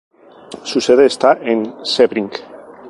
Su sede está en Sebring.